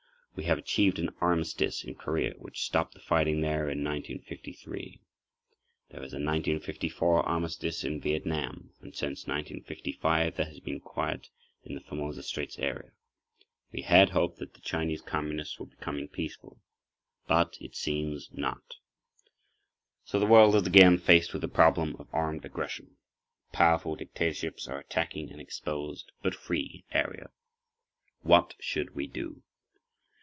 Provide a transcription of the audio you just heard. We have achieved an armistice in Korea which stopped the fighting there in 1953. There is a 1954 armistice in Viet Nam; and since 1955 there has been quiet in the Formosa Straits area. We had hoped that the Chinese Communists were becoming peaceful—but it seems not. So the world is again faced with the problem of armed aggression. Powerful dictatorships are attacking an exposed, but free, area. What should we do?